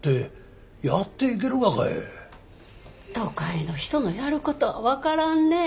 都会の人のやることは分からんねえ。